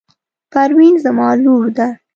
پروین زما لور ده.